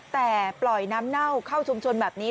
แต่ปล่อยน้ำเน่าเข้าชุมชนแบบนี้